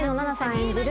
演じる